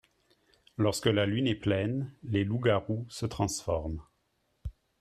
Lorsque la lune est pleine, les loups garous se transforment.